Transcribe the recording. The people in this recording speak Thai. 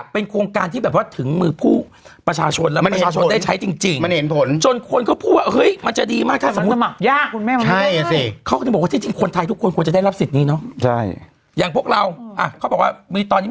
เป็นโครงการที่แบบว่าถึงมือผู้ประชาชนและประชาชนได้ใช้จริง